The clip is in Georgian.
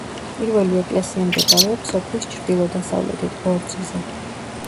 პირველი ეკლესია მდებარეობს სოფლის ჩრდილო-დასავლეთით, ბორცვზე.